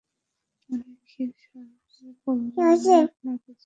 মুনির ক্ষীণ স্বরে বলল, আমি আপনাকে চিনি।